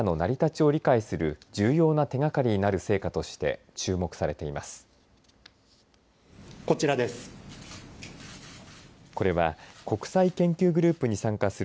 銀河の成り立ちを理解する重要な手掛かりとなる成果として注目されています。